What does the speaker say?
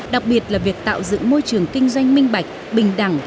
đặc biệt là việc tạo dựng môi trường kinh doanh minh bạch bình đẳng